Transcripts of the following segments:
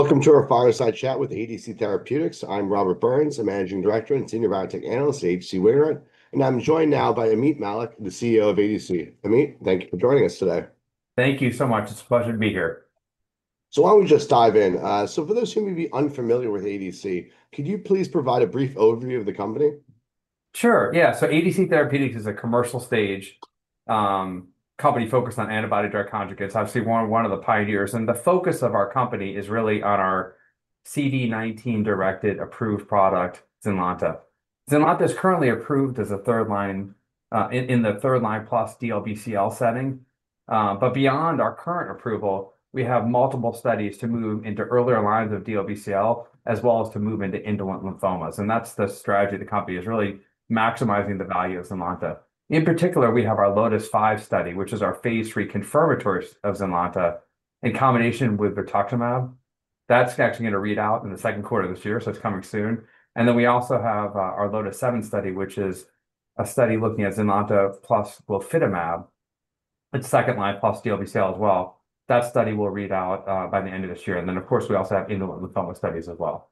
Welcome to our Fireside Chat with ADC Therapeutics. I'm Robert Burns, a Managing Director and Senior Biotech Analyst at H.C. Wainwright. I'm joined now by Ameet Mallik, the CEO of ADC. Ameet, thank you for joining us today. Thank you so much. It's a pleasure to be here. Why don't we just dive in? For those who may be unfamiliar with ADC, could you please provide a brief overview of the company? Sure, yeah. ADC Therapeutics is a commercial stage company focused on antibody-drug conjugates. Obviously one of the pioneers. The focus of our company is really on our CD19-directed approved product, ZYNLONTA. ZYNLONTA is currently approved as a third-line plus DLBCL setting. Beyond our current approval, we have multiple studies to move into earlier lines of DLBCL, as well as to move into indolent lymphomas. That's the strategy of the company, is really maximizing the value of ZYNLONTA. In particular, we have our LOTIS-5 study, which is our phase III confirmatory of ZYNLONTA in combination with rituximab. That's actually gonna read out in the second quarter of this year, so it's coming soon. We also have our LOTIS-7 study, which is a study looking at ZYNLONTA plus glofitamab at second-line plus DLBCL as well. That study will read out by the end of this year. Of course, we also have indolent lymphoma studies as well.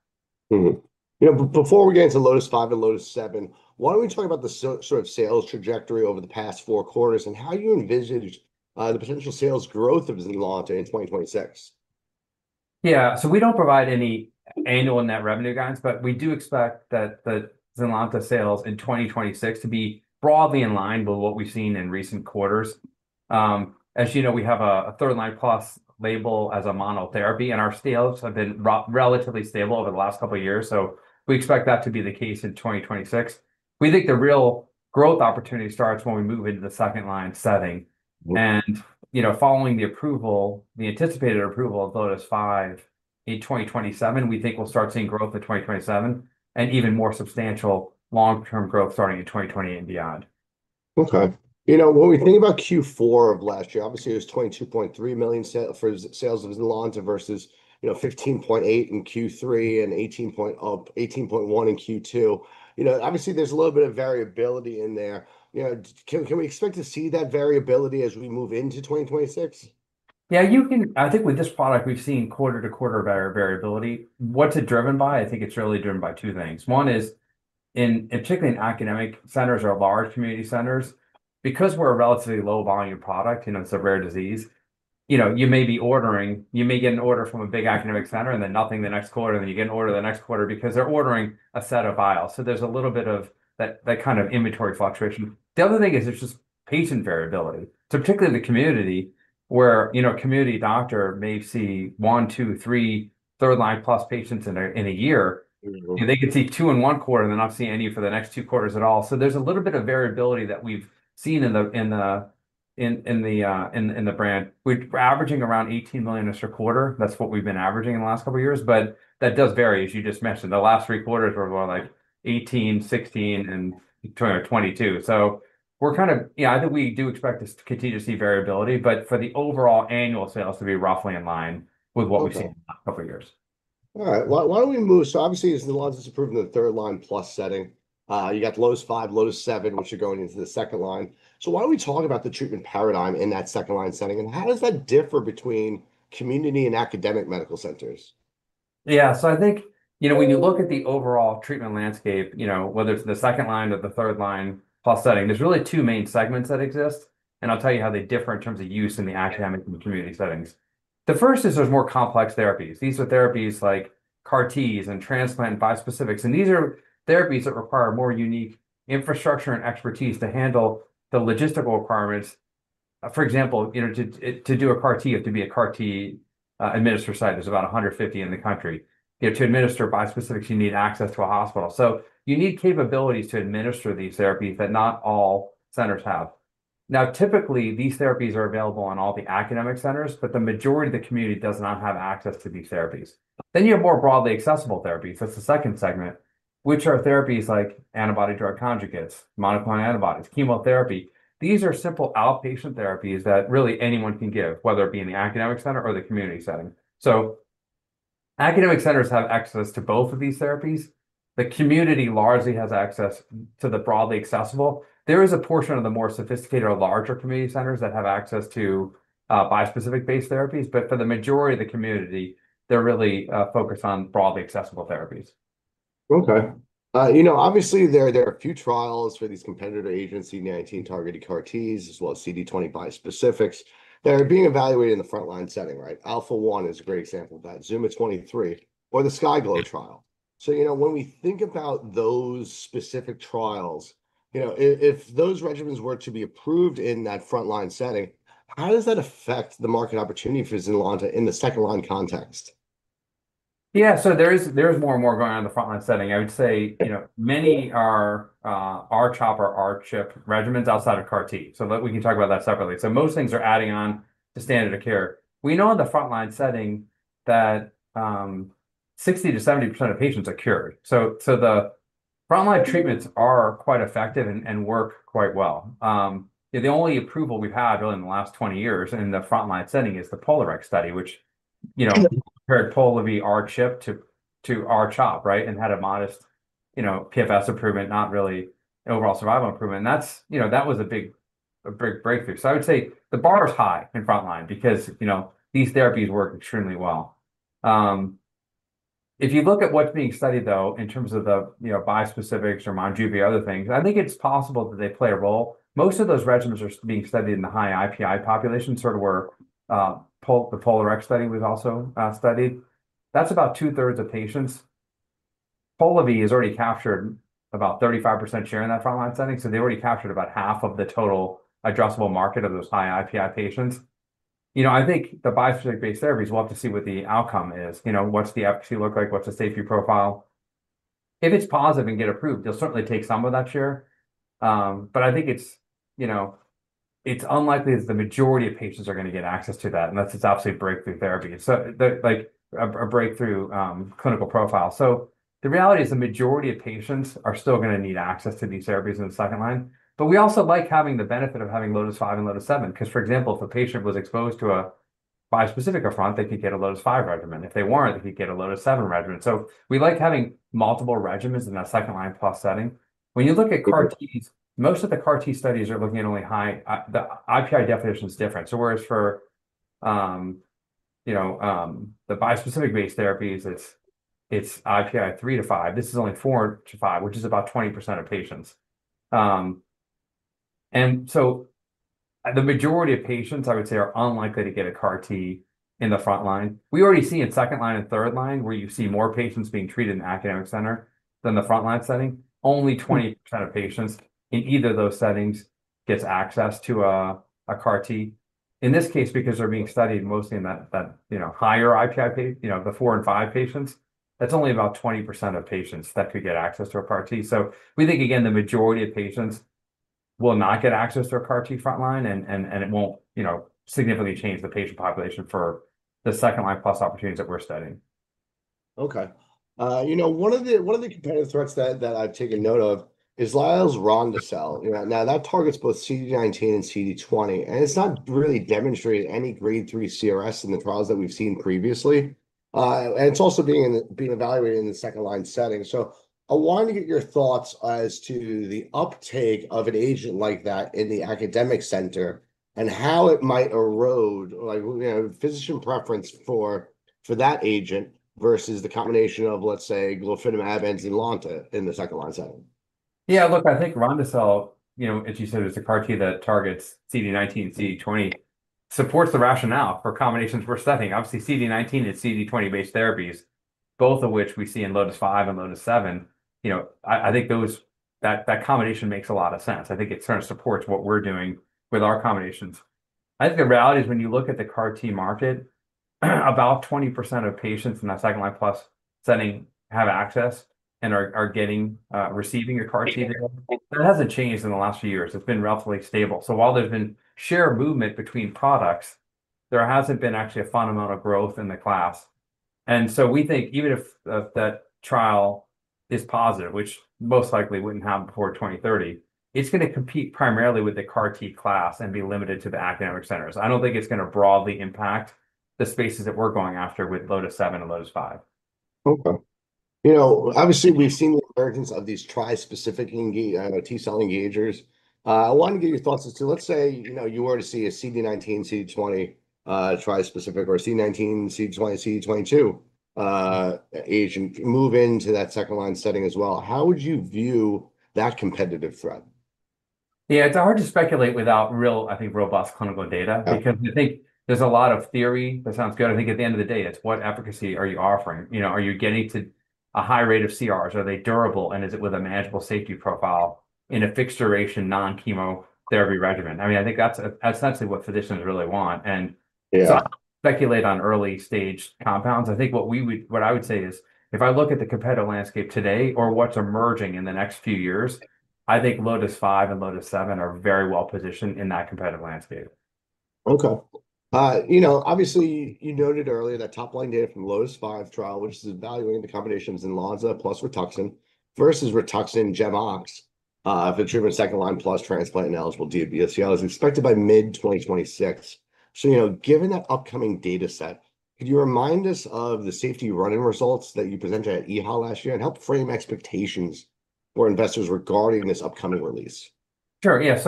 Mm-hmm. You know, before we get into LOTIS-5 and LOTIS-7, why don't we talk about the sort of sales trajectory over the past four quarters and how you envisage the potential sales growth of ZYNLONTA in 2026. Yeah. We don't provide any annual net revenue guidance, but we do expect that the ZYNLONTA sales in 2026 to be broadly in line with what we've seen in recent quarters. As you know, we have a third-line plus label as a monotherapy, and our sales have been relatively stable over the last couple of years, so we expect that to be the case in 2026. We think the real growth opportunity starts when we move into the second-line setting. Mm. You know, following the approval, the anticipated approval of LOTIS-5 in 2027, we think we'll start seeing growth in 2027 and even more substantial long-term growth starting in 2020 and beyond. Okay. You know, when we think about Q4 of last year, obviously it was $22.3 million for sales of ZYNLONTA versus, you know, $15.8 million in Q3 and $18.1 million in Q2. You know, obviously there's a little bit of variability in there. You know, can we expect to see that variability as we move into 2026? Yeah, you can. I think with this product we've seen quarter-to-quarter variability. What's it driven by? I think it's really driven by two things. One is particularly in academic centers or large community centers, because we're a relatively low volume product, you know, it's a rare disease, you know, you may be ordering, you may get an order from a big academic center and then nothing the next quarter, then you get an order the next quarter because they're ordering a set of vials. So there's a little bit of that kind of inventory fluctuation. The other thing is there's just patient variability. So particularly in the community where, you know, a community doctor may see one, two, three third-line plus patients in a year. Mm-hmm. You know, they could see two in one quarter, and then not see any for the next two quarters at all. There's a little bit of variability that we've seen in the brand. We're averaging around $18 million this quarter. That's what we've been averaging in the last couple of years, but that does vary, as you just mentioned. The last three quarters were more like $18 million, $16 million, and $22 million. You know, I think we do expect to continue to see variability, but for the overall annual sales to be roughly in line with what we've seen the past couple of years. All right. Why don't we move. Obviously ZYNLONTA's approved in the third-line plus setting. You got LOTIS-5, LOTIS-7, which are going into the second line. Why don't we talk about the treatment paradigm in that second-line setting, and how does that differ between community and academic medical centers? Yeah. I think, you know, when you look at the overall treatment landscape, you know, whether it's the second line or the third-line plus setting, there's really two main segments that exist, and I'll tell you how they differ in terms of use in the academic and the community settings. The first is there's more complex therapies. These are therapies like CAR-Ts and transplant bispecifics, and these are therapies that require more unique infrastructure and expertise to handle the logistical requirements. For example, you know, to do a CAR-T, you have to be a CAR-T administer site. There's about 150 in the country. You know, to administer bispecifics, you need access to a hospital. You need capabilities to administer these therapies that not all centers have. Now, typically, these therapies are available on all the academic centers, but the majority of the community does not have access to these therapies. You have more broadly accessible therapies. That's the second segment, which are therapies like antibody-drug conjugates, monoclonal antibodies, chemotherapy. These are simple outpatient therapies that really anyone can give, whether it be in the academic center or the community setting. Academic centers have access to both of these therapies. The community largely has access to the broadly accessible. There is a portion of the more sophisticated or larger community centers that have access to bispecific-based therapies, but for the majority of the community, they're really focused on broadly accessible therapies. Okay. You know, obviously there are a few trials for these competitor agents, CD19-targeted CAR-Ts, as well as CD20 bispecifics, that are being evaluated in the front-line setting, right? ZUMA-1 is a great example of that, ZUMA-23, or the SKYGLO trial. You know, when we think about those specific trials, you know, if those regimens were to be approved in that front-line setting, how does that affect the market opportunity for ZYNLONTA in the second-line context? Yeah. There is more and more going on in the front-line setting. I would say, you know, many are R-CHOP or R-CHIP regimens outside of CAR-T, so that we can talk about that separately. Most things are adding on to standard of care. We know in the front-line setting that 60%-70% of patients are cured, so the front-line treatments are quite effective and work quite well. You know, the only approval we've had really in the last 20 years in the front-line setting is the POLARIX study, which, you know, compared POLIVY R-CHIP to R-CHOP, right? And had a modest, you know, PFS improvement, not really overall survival improvement. And that's, you know, that was a big, a big breakthrough. I would say the bar is high in front-line because, you know, these therapies work extremely well. If you look at what's being studied though, in terms of the, you know, bispecifics or MONJUVI, other things, I think it's possible that they play a role. Most of those regimens are being studied in the high IPI population, sort of where the POLARIX study we've also studied. That's about two-thirds of patients. POLIVY is already captured about 35% share in that frontline setting, so they already captured about half of the total addressable market of those high IPI patients. You know, I think the bispecific-based therapies, we'll have to see what the outcome is. You know, what's the efficacy look like? What's the safety profile? If it's positive and get approved, they'll certainly take some of that share. I think it's, you know, it's unlikely it's the majority of patients are gonna get access to that, unless it's absolutely breakthrough therapy. A breakthrough clinical profile. The reality is the majority of patients are still gonna need access to these therapies in the second-line, but we also like having the benefit of having LOTIS-5 and LOTIS-7. Because for example, if a patient was exposed to a bispecific upfront, they could get a LOTIS-5 regimen. If they weren't, they could get a LOTIS-7 regimen. We like having multiple regimens in that second-line-plus setting. When you look at CAR-Ts, most of the CAR-T studies are looking at only high IPI, the IPI definition is different. Whereas for the bispecific-based therapies, it's IPI 3-5. This is only 4-5, which is about 20% of patients. The majority of patients, I would say, are unlikely to get a CAR-T in the frontline. We already see in second line and third line, where you see more patients being treated in academic center than the frontline setting. Only 20% of patients in either of those settings gets access to a CAR-T. In this case, because they're being studied mostly in that, you know, higher IPI, you know, the four and five patients, that's only about 20% of patients that could get access to a CAR-T. We think, again, the majority of patients will not get access to a CAR-T frontline and it won't, you know, significantly change the patient population for the second-line plus opportunities that we're studying. Okay. You know, one of the competitive threats that I've taken note of is liso-cel. Now, that targets both CD19 and CD20, and it's not really demonstrated any grade 3 CRS in the trials that we've seen previously. It's also being evaluated in the second-line setting. I wanted to get your thoughts as to the uptake of an agent like that in the academic center and how it might erode, like, you know, physician preference for that agent versus the combination of, let's say, glofitamab and ZYNLONTA in the second-line setting. Yeah, look, I think Rondocel, you know, as you said, it's a CAR-T that targets CD19, CD20, supports the rationale for combinations we're studying. Obviously, CD19 and CD20-based therapies, both of which we see in LOTIS-5 and LOTIS-7, you know, I think that combination makes a lot of sense. I think it sort of supports what we're doing with our combinations. I think the reality is when you look at the CAR-T market, about 20% of patients in that second-line plus setting have access and are receiving a CAR-T. That hasn't changed in the last few years. It's been relatively stable. While there's been share movement between products, there hasn't been actually a fundamental growth in the class. We think even if that trial is positive, which most likely wouldn't happen before 2030, it's gonna compete primarily with the CAR-T class and be limited to the academic centers. I don't think it's gonna broadly impact the spaces that we're going after with LOTIS-7 and LOTIS-5. Okay. You know, obviously, we've seen the emergence of these trispecific T-cell engagers. I wanna get your thoughts as to, let's say, you know, you were to see a CD19, CD20 trispecific or a CD19, CD20, CD22 agent move into that second-line setting as well. How would you view that competitive threat? Yeah, it's hard to speculate without real, I think, robust clinical data. Yeah. Because I think there's a lot of theory that sounds good. I think at the end of the day, it's what efficacy are you offering? You know, are you getting to a high rate of CRs? Are they durable? And is it with a manageable safety profile in a fixed duration non-chemotherapy regimen? I mean, I think that's essentially what physicians really want. Yeah Speculate on early-stage compounds. I think what I would say is, if I look at the competitive landscape today or what's emerging in the next few years, I think LOTIS-5 and LOTIS-7 are very well-positioned in that competitive landscape. Okay. You know, obviously, you noted earlier that top-line data from LOTIS-5 trial, which is evaluating the combination of loncastuximab plus RITUXAN versus RITUXAN GemOx, for the treatment of second-line, transplant-ineligible DLBCL, is expected by mid-2026. You know, given that upcoming data set, could you remind us of the safety run-in results that you presented at EHA last year and help frame expectations for investors regarding this upcoming release? Sure, yeah.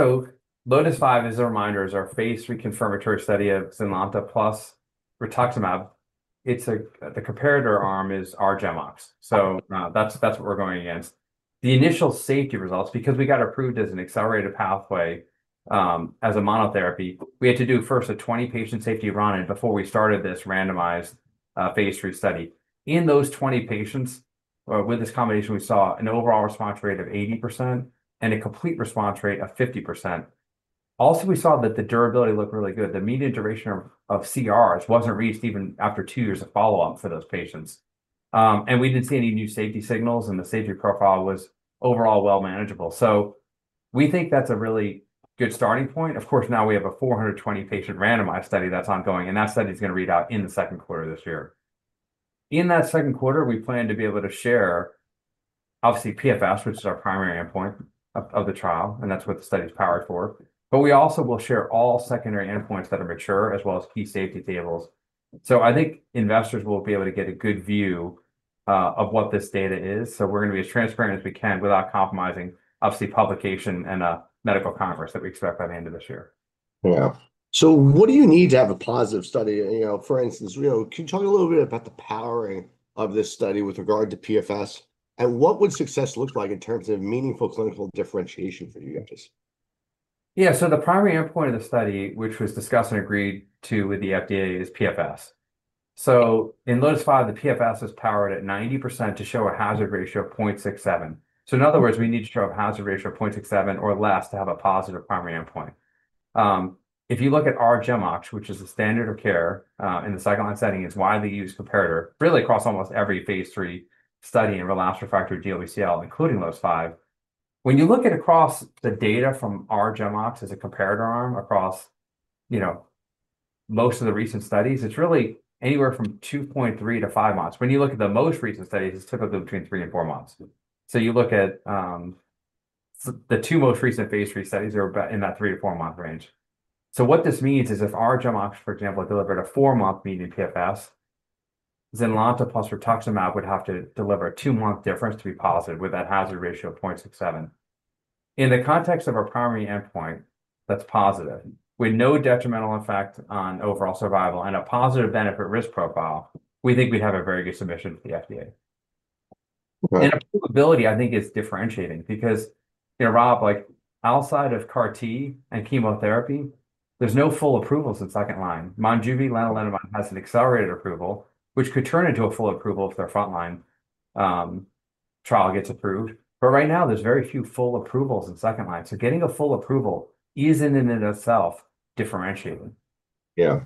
LOTIS-5, as a reminder, is our phase III confirmatory study of ZYNLONTA plus rituximab. The comparator arm is our GemOx. That's what we're going against. The initial safety results, because we got approved as an accelerated pathway, as a monotherapy, we had to do first a 20-patient safety run-in before we started this randomized phase III study. In those 20 patients, with this combination, we saw an overall response rate of 80% and a complete response rate of 50%. Also, we saw that the durability looked really good. The median duration of CRs wasn't reached even after two years of follow-up for those patients. We didn't see any new safety signals, and the safety profile was overall well manageable. We think that's a really good starting point. Of course, now we have a 420-patient randomized study that's ongoing, and that study is gonna read out in the second quarter of this year. In that second quarter, we plan to be able to share obviously PFS, which is our primary endpoint of the trial, and that's what the study is powered for. We also will share all secondary endpoints that are mature, as well as key safety tables. I think investors will be able to get a good view of what this data is. We're gonna be as transparent as we can without compromising obviously publication and a medical conference that we expect by the end of this year. Yeah. What do you need to have a positive study? You know, for instance, you know, can you talk a little bit about the powering of this study with regard to PFS, and what would success look like in terms of meaningful clinical differentiation for you guys? Yeah. The primary endpoint of the study, which was discussed and agreed to with the FDA, is PFS. In LOTIS-5, the PFS is powered at 90% to show a hazard ratio of 0.67. In other words, we need to show a hazard ratio of 0.67 or less to have a positive primary endpoint. If you look at R-GemOx, which is the standard of care in the second line setting, it's a widely used comparator really across almost every phase III study in relapsed refractory DLBCL, including LOTIS-5. When you look at the data from R-GemOx as a comparator arm across, you know, most of the recent studies, it's really anywhere from 2.3-5 months. When you look at the most recent studies, it's typically between 3-4 months. You look at the two most recent phase III studies are in that 3-4 month range. What this means is if R-GemOx, for example, delivered a 4-month median PFS, ZYNLONTA plus rituximab would have to deliver a 2-month difference to be positive with that hazard ratio of 0.67. In the context of our primary endpoint that's positive, with no detrimental effect on overall survival and a positive benefit-risk profile, we think we'd have a very good submission for the FDA. Right. Approvability I think is differentiating because, you know, Rob, like outside of CAR-T and chemotherapy, there's no full approvals in second line. MONJUVI, lenalidomide, has an accelerated approval, which could turn into a full approval if their frontline trial gets approved. But right now there's very few full approvals in second line, so getting a full approval is in and of itself differentiating. Yeah.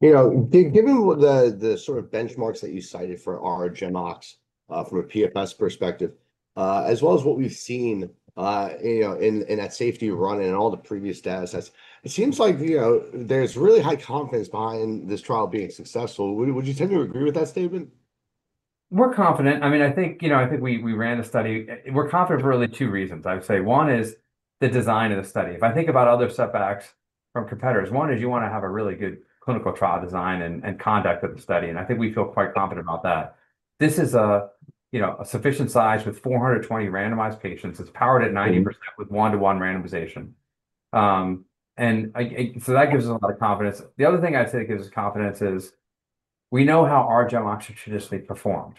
You know, given what the sort of benchmarks that you cited for R-GemOx, from a PFS perspective, as well as what we've seen, you know, in that safety run and in all the previous datasets, it seems like, you know, there's really high confidence behind this trial being successful. Would you tend to agree with that statement? We're confident for really two reasons, I would say. One is the design of the study. If I think about other setbacks from competitors, one is you wanna have a really good clinical trial design and conduct of the study, and I think we feel quite confident about that. This is, you know, a sufficient size with 420 randomized patients. It's powered at 90% with one-to-one randomization. So that gives us a lot of confidence. The other thing I'd say that gives us confidence is we know how R-GemOx has traditionally performed,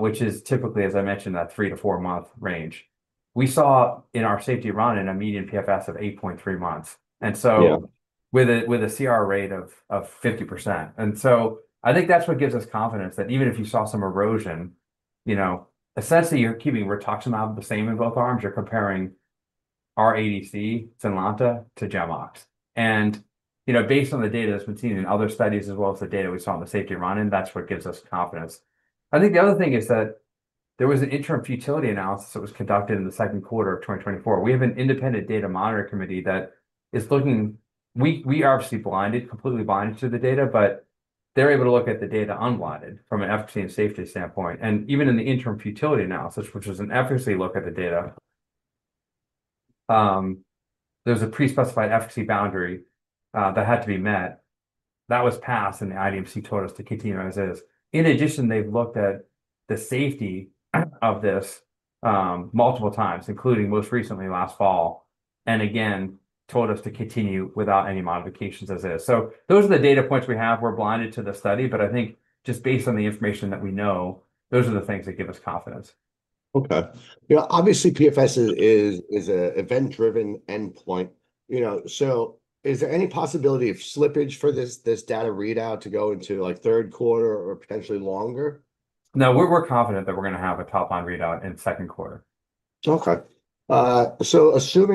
which is typically, as I mentioned, that 3-4 month range. We saw in our safety run-in a median PFS of 8.3 months, and so with a CR rate of 50%. I think that's what gives us confidence that even if you saw some erosion, you know, essentially you're keeping rituximab the same in both arms, you're comparing R² ZYNLONTA to GemOx. You know, based on the data that's been seen in other studies as well as the data we saw in the safety run-in, that's what gives us confidence. I think the other thing is that there was an interim futility analysis that was conducted in the second quarter of 2024. We have an Independent Data Monitoring Committee. We are obviously blinded, completely blinded to the data, but they're able to look at the data unblinded from an efficacy and safety standpoint. Even in the interim futility analysis, which was an efficacy look at the data, there was a pre-specified efficacy boundary that had to be met. That was passed, and the IDMC told us to continue as is. In addition, they've looked at the safety of this multiple times, including most recently last fall, and again, told us to continue without any modifications as is. Those are the data points we have. We're blinded to the study, but I think just based on the information that we know, those are the things that give us confidence. Okay. You know, obviously PFS is a event-driven endpoint, you know. Is there any possibility of slippage for this data readout to go into like third quarter or potentially longer? No, we're confident that we're gonna have a top-line readout in second quarter. Assuming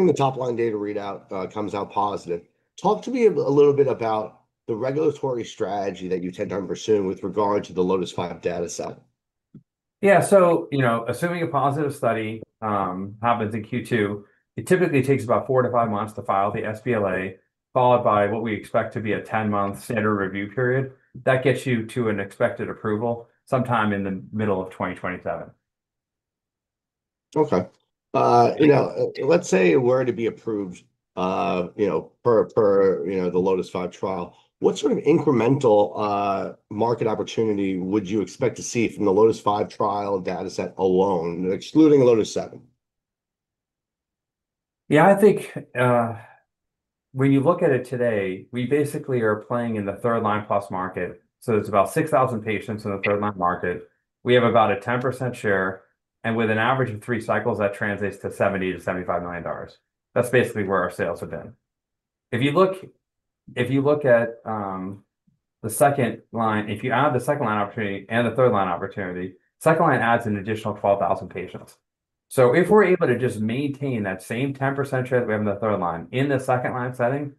the top-line data readout comes out positive, talk to me a little bit about the regulatory strategy that you intend on pursuing with regard to the LOTIS-5 dataset. You know, assuming a positive study happens in Q2, it typically takes about 4-5 months to file the SBLA, followed by what we expect to be a 10-month standard review period. That gets you to an expected approval sometime in the middle of 2027. Okay. You know, let's say it were to be approved, you know, per the LOTIS-5 trial, what sort of incremental market opportunity would you expect to see from the LOTIS-5 trial dataset alone, excluding LOTIS-7? Yeah. I think when you look at it today, we basically are playing in the third line plus market, so it's about 6,000 patients in the third line market. We have about a 10% share, and with an average of three cycles, that translates to $70 million-$75 million. That's basically where our sales have been. If you look at the second line, if you add the second line opportunity and the third line opportunity, second line adds an additional 12,000 patients. If we're able to just maintain that same 10% share that we have in the third line in the second line setting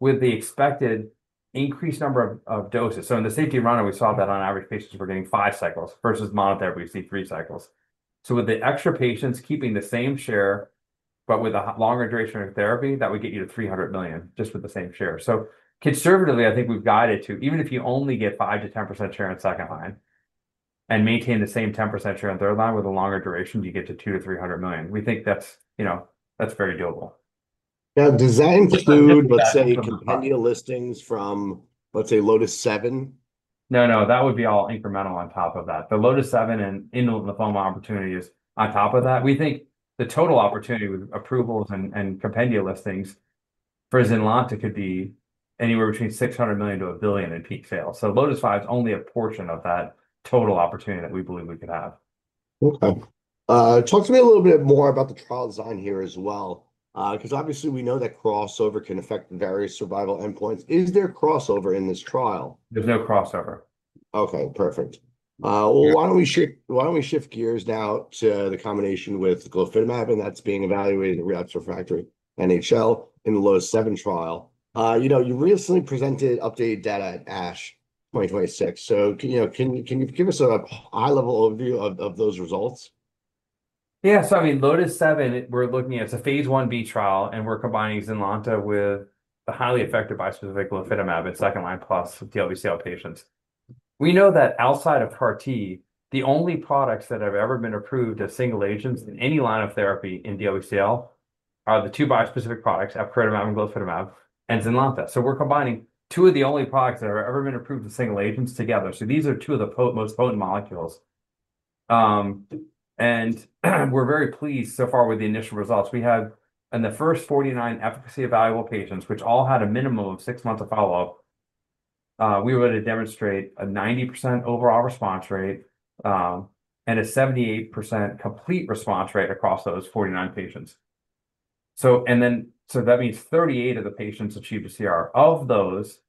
with the expected increased number of doses, so in the safety run-in we saw that on average patients were getting five cycles versus monotherapy we see three cycles. With the extra patients keeping the same share, but with a longer duration of therapy, that would get you to $300 million just with the same share. Conservatively, I think we've guided to even if you only get 5%-10% share in second line and maintain the same 10% share in third line with a longer duration, you get to $200 million-$300 million. We think that's, you know, that's very doable. Now, does that include, let's say, Compendia listings from, let's say, LOTIS-7? No, no, that would be all incremental on top of that. The LOTIS-7 and indolent lymphoma opportunity is on top of that. We think the total opportunity with approvals and Compendia listings for ZYNLONTA could be anywhere between $600 million-$1 billion in peak sales. LOTIS-5 is only a portion of that total opportunity that we believe we could have. Okay. Talk to me a little bit more about the trial design here as well. 'Cause obviously we know that crossover can affect various survival endpoints. Is there crossover in this trial? There's no crossover. Okay, perfect. Well, why don't we shift gears now to the combination with glofitamab, and that's being evaluated in relapsed/refractory NHL in the LOTIS-7 trial. You know, you recently presented updated data at ASH 2026. You know, can you give us a high-level overview of those results? I mean, LOTIS-7, we're looking at, it's a phase I-B trial, and we're combining ZYNLONTA with the highly effective bispecific glofitamab in second-line plus DLBCL patients. We know that outside of CAR-T, the only products that have ever been approved as single agents in any line of therapy in DLBCL are the two bispecific products, epcoritamab and glofitamab, and ZYNLONTA. We're combining two of the only products that have ever been approved as single agents together. These are two of the most potent molecules. And we're very pleased so far with the initial results. We had, in the first 49 efficacy-evaluable patients, which all had a minimum of six months of follow-up, we were able to demonstrate a 90% overall response rate, and a 78% complete response rate across those 49 patients. That means 38 of the patients achieved a CR. Of those,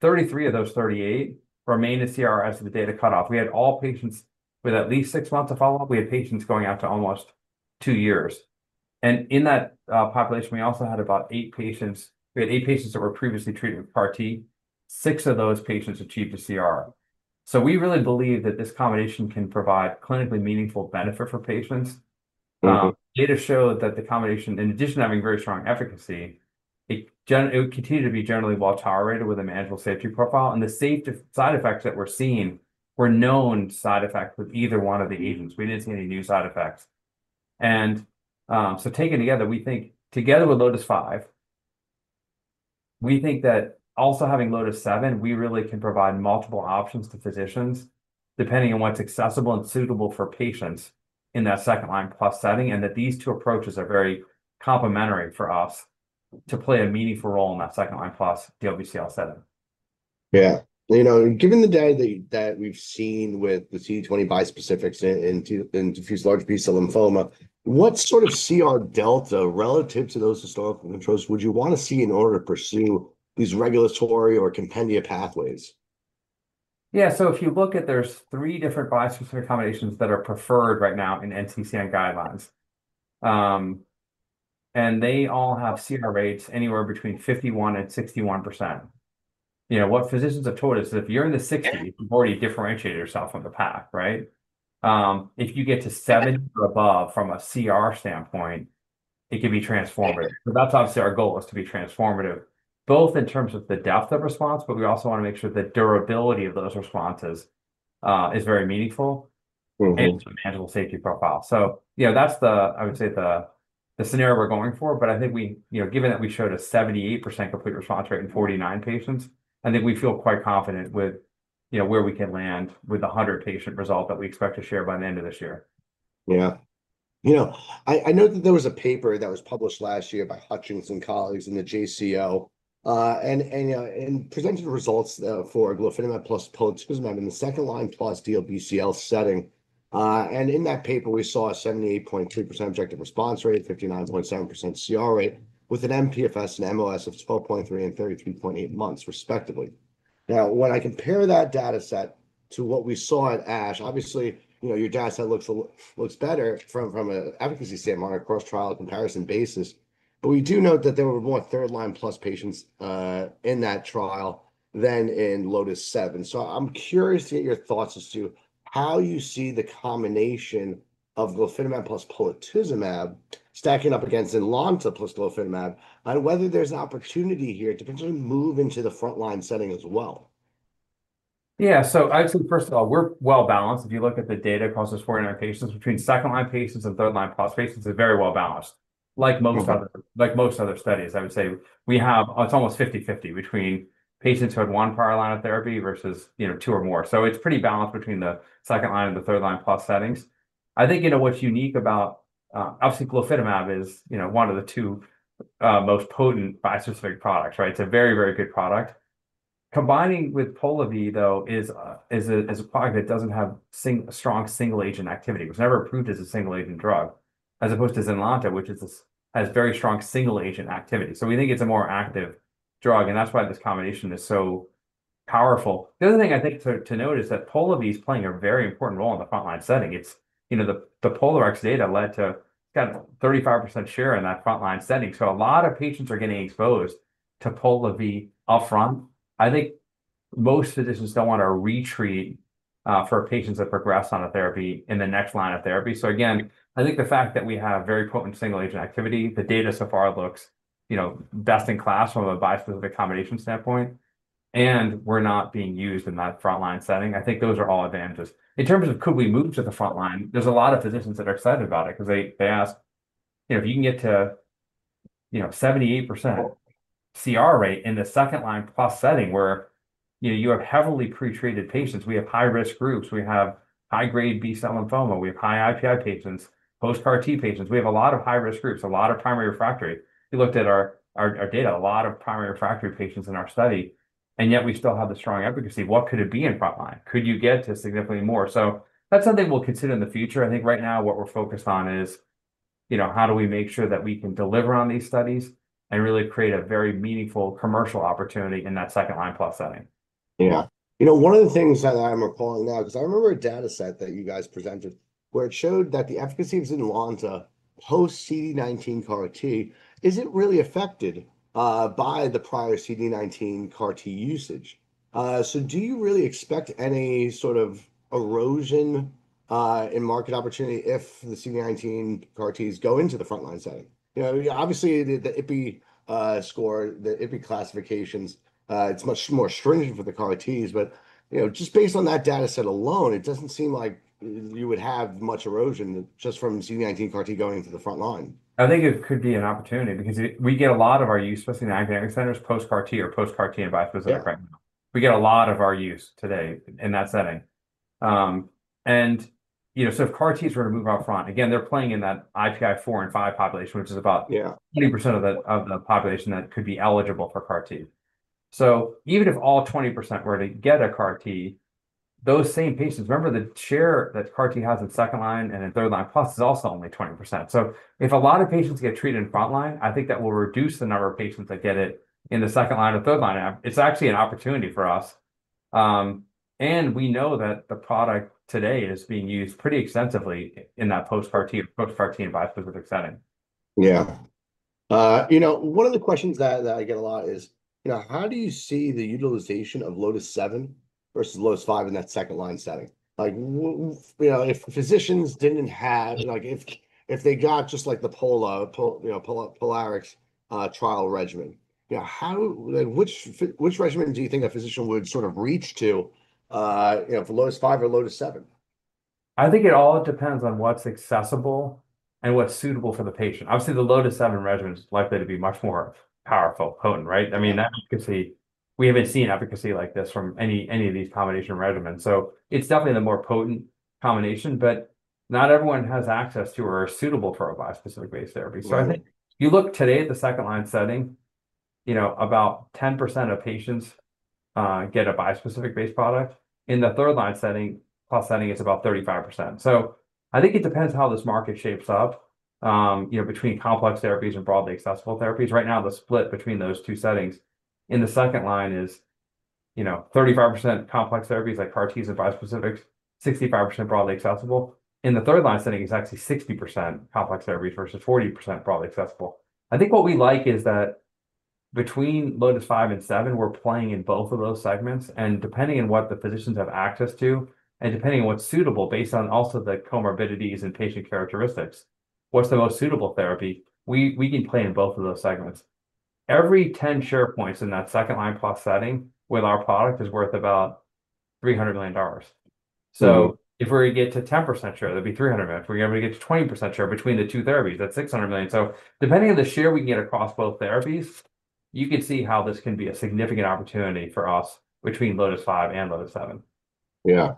33 of those 38 remained a CR as of the data cutoff. We had all patients with at least six months of follow-up. We had patients going out to almost two years. In that population, we also had about 8 patients that were previously treated with CAR-T. Six of those patients achieved a CR. We really believe that this combination can provide clinically meaningful benefit for patients. Data showed that the combination, in addition to having very strong efficacy, it would continue to be generally well-tolerated with a manageable safety profile, and the side effects that we're seeing were known side effects with either one of the agents. We didn't see any new side effects. Taken together, we think together with LOTIS-5, we think that also having LOTIS-7, we really can provide multiple options to physicians, depending on what's accessible and suitable for patients in that second-line-plus setting, and that these two approaches are very complementary for us to play a meaningful role in that second-line-plus DLBCL setting. Yeah. You know, given the data that we've seen with the CD20 bispecifics in diffuse large B-cell lymphoma, what sort of CR delta relative to those historical controls would you wanna see in order to pursue these regulatory or compendia pathways? Yeah. If you look at, there are three different bispecific combinations that are preferred right now in NCCN guidelines. They all have CR rates anywhere between 51%-61%. You know, what physicians have told us, if you're in the 60s, you've already differentiated yourself from the pack, right? If you get to 70 or above from a CR standpoint, it can be transformative. That's obviously our goal is to be transformative, both in terms of the depth of response, but we also wanna make sure the durability of those responses is very meaningful. It's a manageable safety profile. You know, that's the, I would say, the scenario we're going for, but I think we, you know, given that we showed a 78% complete response rate in 49 patients, I think we feel quite confident with, you know, where we can land with a 100-patient result that we expect to share by the end of this year. Yeah. You know, I know that there was a paper that was published last year by Hutchings colleagues in the JCO and presented results for glofitamab plus polatuzumab in the second-line-plus DLBCL setting. In that paper, we saw a 78.2% objective response rate, 59.7% CR rate, with an MPFS and MOS of 4.3 and 33.8 months respectively. Now, when I compare that data set to what we saw at ASH, obviously, you know, your data set looks better from a efficacy standpoint on a cross-trial comparison basis. We do note that there were more third line plus patients in that trial than in LOTIS-7. I'm curious to get your thoughts as to how you see the combination of glofitamab plus polatuzumab stacking up against ZYNLONTA plus glofitamab, and whether there's an opportunity here to potentially move into the front-line setting as well? Yeah. I'd say, first of all, we're well-balanced. If you look at the data across those 400 patients, between second-line patients and third-line-plus patients, they're very well-balanced. Like most other studies, I would say we have, it's almost 50/50 between patients who had one prior line of therapy versus, you know, two or more. It's pretty balanced between the second line and the third line plus settings. I think, you know, what's unique about obviously glofitamab is, you know, one of the two most potent bispecific products, right? It's a very, very good product. Combining with POLIVY though is a product that doesn't have strong single-agent activity. It was never approved as a single-agent drug, as opposed to ZYNLONTA, which has very strong single-agent activity. We think it's a more active drug, and that's why this combination is so powerful. The other thing I think to note is that POLIVY is playing a very important role in the front-line setting. It's you know the POLARIX data led to kind of 35% share in that frontline setting. A lot of patients are getting exposed to POLIVY upfront. I think most physicians don't wanna re-treat for patients that progress on a therapy in the next line of therapy. Again, I think the fact that we have very potent single-agent activity, the data so far looks you know best in class from a bispecific combination standpoint. We're not being used in that frontline setting. I think those are all advantages. In terms of could we move to the frontline, there's a lot of physicians that are excited about it because they ask you know "If you can get to you know 78% CR rate in the second-line plus setting where you know you have heavily pre-treated patients. We have high-risk groups. We have high-grade B-cell lymphoma. We have high IPI patients, post CAR-T patients. We have a lot of high-risk groups, a lot of primary refractory. You looked at our data, a lot of primary refractory patients in our study, and yet we still have the strong efficacy. What could it be in frontline? Could you get to significantly more? That's something we'll consider in the future. I think right now what we're focused on is, you know, how do we make sure that we can deliver on these studies and really create a very meaningful commercial opportunity in that second-line plus setting. Yeah. You know, one of the things that I'm recalling now, because I remember a data set that you guys presented where it showed that the efficacy of ZYNLONTA post CD19 CAR-T isn't really affected by the prior CD19 CAR-T usage. Do you really expect any sort of erosion in market opportunity if the CD19 CAR-Ts go into the frontline setting? You know, obviously the IPI score, the IPI classifications, it's much more stringent for the CAR-Ts. You know, just based on that data set alone, it doesn't seem like you would have much erosion just from CD19 CAR-T going into the frontline. I think it could be an opportunity because we get a lot of our use, especially in the academic centers, post CAR-T or post CAR-T bispecific right now. We get a lot of our use today in that setting. You know, if CAR-Ts were to move out front, again, they're playing in that IPI four and five population, which is about 20% of the population that could be eligible for CAR-T. Even if all 20% were to get a CAR-T, those same patients. Remember the share that CAR-T has in second line and in third line plus is also only 20%. If a lot of patients get treated in frontline, I think that will reduce the number of patients that get it in the second line or third line. It's actually an opportunity for us. We know that the product today is being used pretty extensively in that post CAR-T and bispecific setting. Yeah. You know, one of the questions that I get a lot is, you know, how do you see the utilization of LOTIS-7 versus LOTIS-5 in that second line setting? Like, you know, if physicians didn't have, like, if they got just like the POLARIX trial regimen, you know, how, like, which regimen do you think a physician would sort of reach to, you know, if LOTIS-5 or LOTIS-7? I think it all depends on what's accessible and what's suitable for the patient. Obviously, the LOTIS-7 regimen is likely to be much more powerful, potent, right? I mean, that efficacy, we haven't seen efficacy like this from any of these combination regimens. It's definitely the more potent combination, but not everyone has access to or are suitable for a bispecific-based therapy. I think you look today at the second-line setting, you know, about 10% of patients get a bispecific-based product. In the third-line setting, plus setting, it's about 35%. I think it depends how this market shapes up, you know, between complex therapies and broadly accessible therapies. Right now, the split between those two settings in the second line is, you know, 35% complex therapies like CAR-Ts and bispecifics, 65% broadly accessible. In the third line setting, it's actually 60% complex therapies versus 40% broadly accessible. I think what we like is that between LOTIS-5 and LOTIS-7, we're playing in both of those segments, and depending on what the physicians have access to, and depending on what's suitable based on also the comorbidities and patient characteristics, what's the most suitable therapy, we can play in both of those segments. Every 10 share points in that second-line plus setting with our product is worth about $300 million. If we were to get to 10% share, that'd be $300 million. If we were able to get to 20% share between the two therapies, that's $600 million. Depending on the share we can get across both therapies, you could see how this can be a significant opportunity for us between LOTIS-5 and LOTIS-7. Yeah.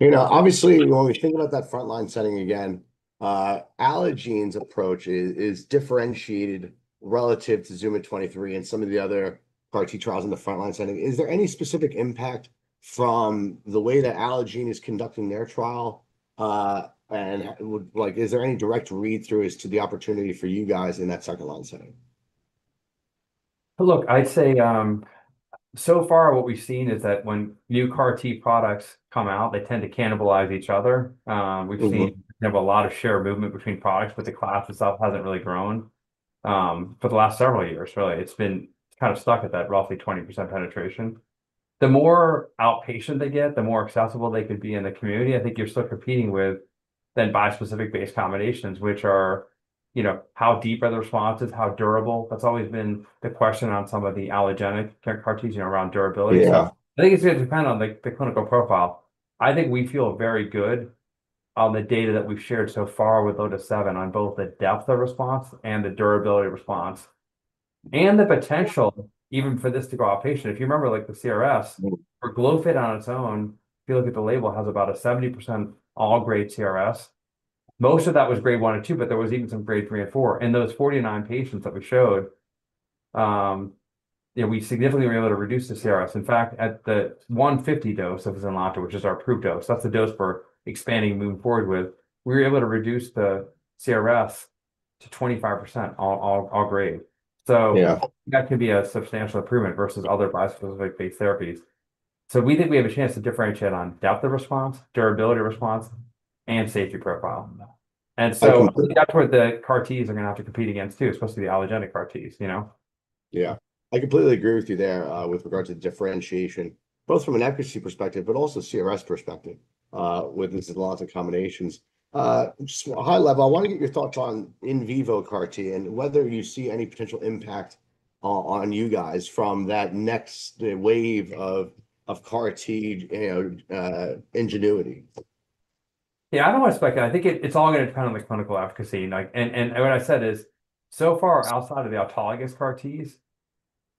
You know, obviously when we think about that frontline setting again, Allogene's approach is differentiated relative to ZUMA-23 and some of the other CAR-T trials in the frontline setting. Is there any specific impact from the way that Allogene is conducting their trial, and like, is there any direct read-through as to the opportunity for you guys in that second-line setting? Look, I'd say, so far what we've seen is that when new CAR-T products come out, they tend to cannibalize each other. We've seen, you know, a lot of share movement between products, but the class itself hasn't really grown for the last several years really. It's been kind of stuck at that roughly 20% penetration. The more outpatient they get, the more accessible they could be in the community. I think you're still competing with the bispecific-based combinations, which are, you know, how deep are the responses, how durable. That's always been the question on some of the allogeneic CAR-Ts, you know, around durability and stuff. I think it's gonna depend on the clinical profile. I think we feel very good on the data that we've shared so far with LOTIS-7 on both the depth of response and the durability of response, and the potential even for this to go outpatient. If you remember, like, the CRS for glofitamab on its own, if you look at the label, has about a 70% all grade CRS. Most of that was grade 1 and 2, but there was even some grade 3 and 4. In those 49 patients that we showed, we significantly were able to reduce the CRS. In fact, at the 150 dose of ZYNLONTA, which is our approved dose, that's the dose we're expanding and moving forward with, we were able to reduce the CRS to 25% all grade. Yeah That could be a substantial improvement versus other bispecific-based therapies. We think we have a chance to differentiate on depth of response, durability of response, and safety profile. That's what the CAR-Ts are gonna have to compete against too, especially the allogeneic CAR-Ts, you know? Yeah. I completely agree with you there, with regard to the differentiation, both from an efficacy perspective, but also CRS perspective, with these ZYNLONTA combinations. Just high level, I want to get your thoughts on in vivo CAR-T and whether you see any potential impact on you guys from that next wave of CAR-T, you know, ingenuity. Yeah, I don't want to speculate. I think it's all gonna depend on the clinical efficacy. Like, and what I said is, so far outside of the autologous CAR-Ts,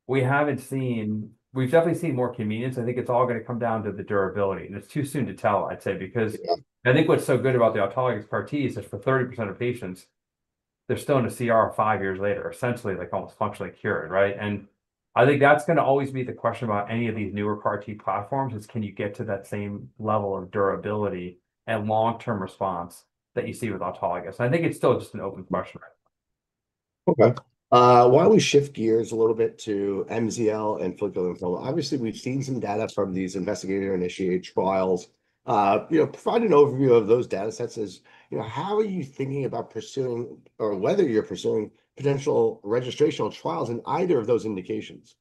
we haven't seen. We've definitely seen more convenience. I think it's all gonna come down to the durability, and it's too soon to tell, I'd say, because I think what's so good about the autologous CAR-T is that for 30% of patients, they're still in a CR 5 years later, essentially, like almost functionally cured, right? I think that's gonna always be the question about any of these newer CAR-T platforms is, can you get to that same level of durability and long-term response that you see with autologous? I think it's still just an open question right now. Okay. Why don't we shift gears a little bit to MZL and follicular lymphoma. Obviously, we've seen some data from these investigator-initiated trials. You know, provide an overview of those datasets as, you know, how are you thinking about pursuing or whether you're pursuing potential registrational trials in either of those indications?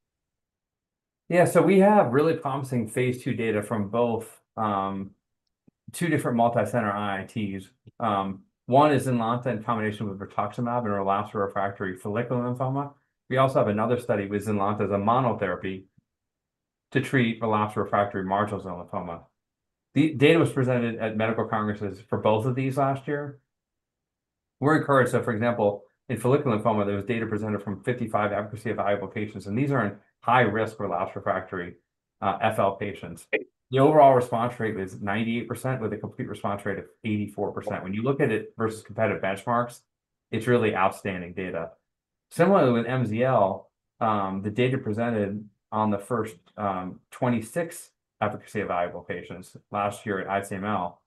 Yeah. We have really promising phase II data from both two different multi-center IITs. One is in ZYNLONTA in combination with rituximab in relapsed refractory follicular lymphoma. We also have another study with ZYNLONTA as a monotherapy to treat relapsed refractory marginal zone lymphoma. The data was presented at medical congresses for both of these last year. We're encouraged that, for example, in follicular lymphoma, there was data presented from 55 efficacy-evaluable patients, and these are in high-risk relapsed refractory FL patients. The overall response rate was 98% with a complete response rate of 84%. When you look at it versus competitive benchmarks, it's really outstanding data. Similarly with MZL, the data presented on the first 26 efficacy-evaluable patients last year at ICML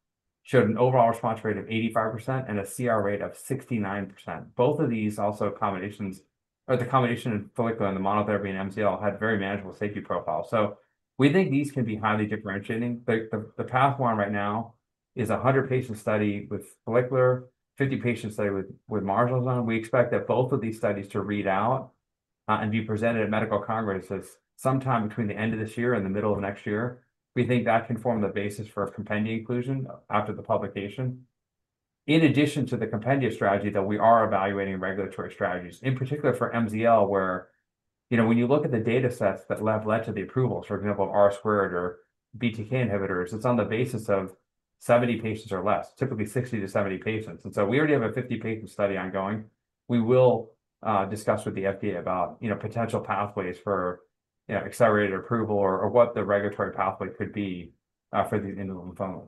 showed an overall response rate of 85% and a CR rate of 69%. Both of these, also combinations or the combination of follicular and the monotherapy in MZL, had very manageable safety profiles. We think these can be highly differentiating. The phase I right now is a 100-patient study with follicular, 50-patient study with marginal zone. We expect that both of these studies to read out and be presented at medical congresses sometime between the end of this year and the middle of next year. We think that can form the basis for a Compendia inclusion after the publication. In addition to the Compendia strategy that we are evaluating regulatory strategies, in particular for MZL, where, you know, when you look at the datasets that led to the approval, for example, R-squared or BTK inhibitors, it's on the basis of 70 patients or less, typically 60-70 patients. We already have a 50-patient study ongoing. We will discuss with the FDA about, you know, potential pathways for, you know, accelerated approval or what the regulatory pathway could be for the individual lymphomas.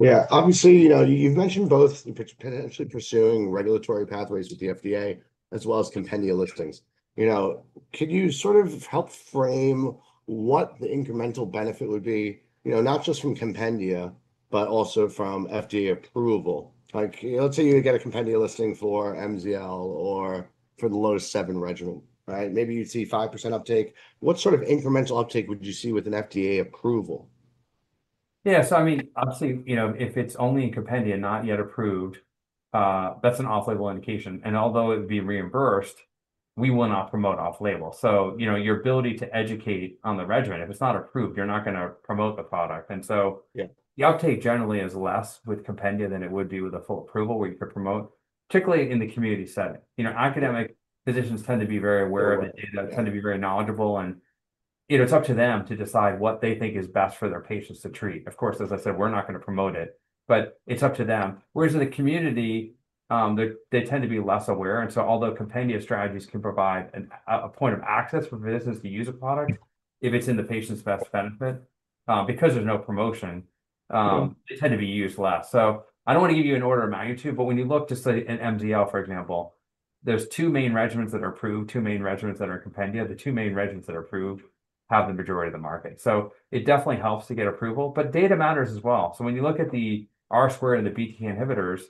Yeah. Obviously, you know, you've mentioned both potentially pursuing regulatory pathways with the FDA as well as compendia listings. You know, could you sort of help frame what the incremental benefit would be, you know, not just from compendia, but also from FDA approval? Like let's say you get a compendia listing for MZL or for the LOTIS-7 regimen, right? Maybe you'd see 5% uptake. What sort of incremental uptake would you see with an FDA approval? I mean, obviously, you know, if it's only in Compendia, not yet approved, that's an off-label indication, and although it would be reimbursed, we will not promote off-label. You know, your ability to educate on the regimen, if it's not approved, you're not gonna promote the product. Yeah The uptake generally is less with Compendia than it would be with a full approval where you could promote, particularly in the community setting. You know, academic physicians tend to be very aware of the data, tend to be very knowledgeable, and, you know, it's up to them to decide what they think is best for their patients to treat. Of course, as I said, we're not gonna promote it, but it's up to them. Whereas in the community, they tend to be less aware. Although Compendia strategies can provide a point of access for physicians to use a product if it's in the patient's best benefit, because there's no promotion, they tend to be used less. I don't want to give you an order of magnitude, but when you look to, say, an MZL, for example, there's two main regimens that are approved, two main regimens that are in Compendia. The two main regimens that are approved have the majority of the market. It definitely helps to get approval, but data matters as well. When you look at the R-squared and the BTK inhibitors,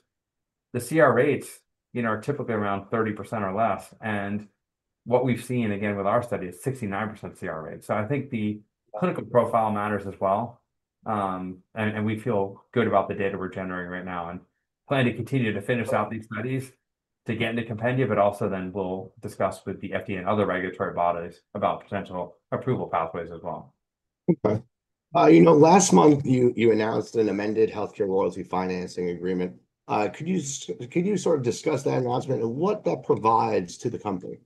the CR rates, you know, are typically around 30% or less, and what we've seen again with our study is 69% CR rate. I think the clinical profile matters as well, and we feel good about the data we're generating right now and plan to continue to finish out these studies to get into compendia, but also then we'll discuss with the FDA and other regulatory bodies about potential approval pathways as well. Okay. You know, last month you announced an amended HealthCare Royalty financing agreement. Could you sort of discuss that announcement and what that provides to the company?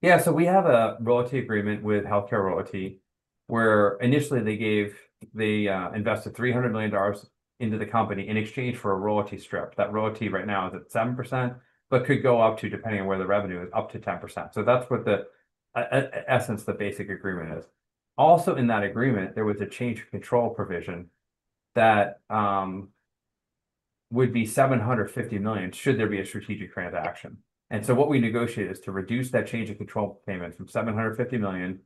Yeah. We have a royalty agreement with HealthCare Royalty, where initially they invested $300 million into the company in exchange for a royalty strip. That royalty right now is at 7%, but could go up to, depending on where the revenue is, up to 10%. That's what the essence, the basic agreement is. Also, in that agreement, there was a change of control provision that would be $750 million, should there be a strategic transaction. What we negotiated is to reduce that change of control payment from $750 million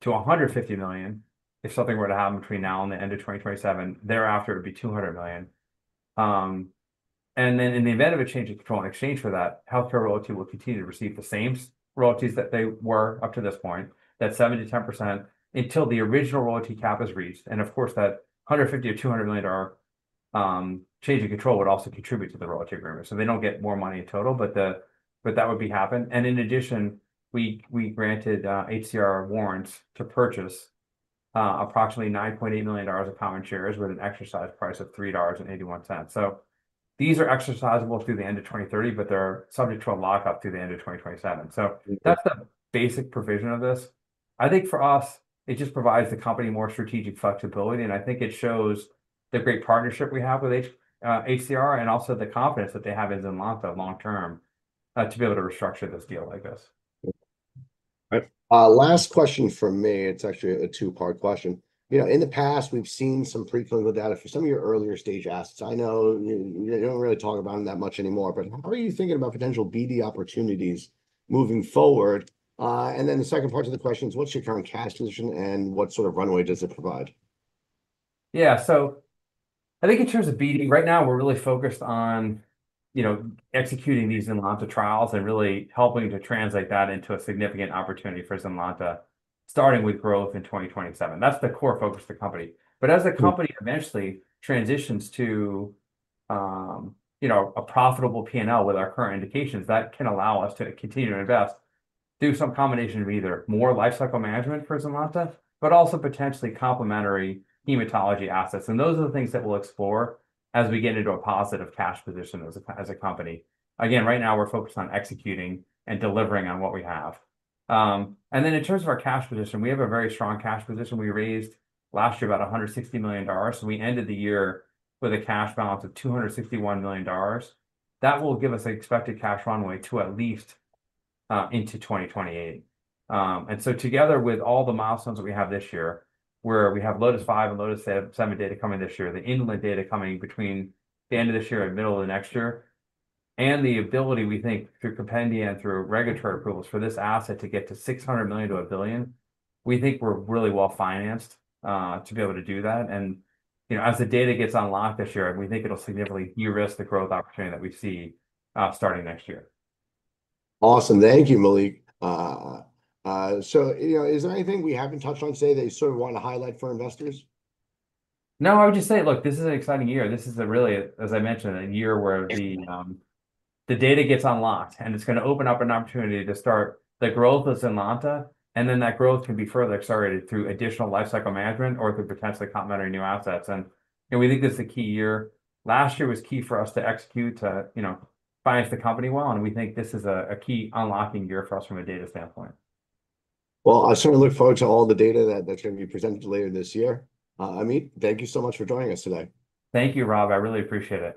to $150 million, if something were to happen between now and the end of 2027. Thereafter, it'd be $200 million. In the event of a change of control in exchange for that, HealthCare Royalty will continue to receive the same royalties that they were up to this point, that 7%-10%, until the original royalty cap is reached. Of course, that $150-$200 million change in control would also contribute to the royalty agreement. They don't get more money in total, but that would happen. In addition, we granted HCRx warrants to purchase approximately $9.8 million of common shares with an exercise price of $3.81. These are exercisable through the end of 2030, but they're subject to a lockup through the end of 2027. That's the basic provision of this. I think for us, it just provides the company more strategic flexibility, and I think it shows the great partnership we have with HCRx and also the confidence that they have in ZYNLONTA long term, to be able to restructure this deal like this. Right. Last question from me. It's actually a two-part question. You know, in the past, we've seen some preclinical data for some of your earlier stage assets. I know you don't really talk about them that much anymore, but how are you thinking about potential BD opportunities moving forward? The second part to the question is, what's your current cash position and what sort of runway does it provide? Yeah. I think in terms of BD, right now we're really focused on, you know, executing these ZYNLONTA trials and really helping to translate that into a significant opportunity for ZYNLONTA, starting with growth in 2027. That's the core focus of the company. As the company eventually transitions to, you know, a profitable P&L with our current indications, that can allow us to continue to invest, do some combination of either more life cycle management for ZYNLONTA, but also potentially complementary hematology assets. Those are the things that we'll explore as we get into a positive cash position as a company. Again, right now we're focused on executing and delivering on what we have. In terms of our cash position, we have a very strong cash position. We raised last year about $160 million, so we ended the year with a cash balance of $261 million. That will give us an expected cash runway to at least into 2028. Together with all the milestones that we have this year, where we have LOTIS-5 and LOTIS-7 data coming this year, the indolent data coming between the end of this year and middle of next year, and the ability, we think, through Compendia and through regulatory approvals for this asset to get to $600 million-$1 billion, we think we're really well-financed to be able to do that. You know, as the data gets unlocked this year, we think it'll significantly de-risk the growth opportunity that we see starting next year. Awesome. Thank you, Mallik. You know, is there anything we haven't touched on today that you sort of want to highlight for our investors? No, I would just say, look, this is an exciting year. This is a really, as I mentioned, a year where the data gets unlocked, and it's gonna open up an opportunity to start the growth of ZYNLONTA, and then that growth can be further accelerated through additional life cycle management or through potentially complementary new assets. You know, we think this is a key year. Last year was key for us to execute, to, you know, finance the company well, and we think this is a key unlocking year for us from a data standpoint. Well, I sort of look forward to all the data that's going to be presented later this year. Ameet, thank you so much for joining us today. Thank you, Rob. I really appreciate it.